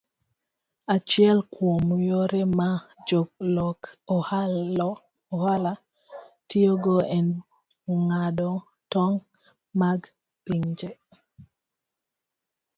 Achiel kuom yore ma jolok ohala tiyogo en ng'ado tong' mag pinje.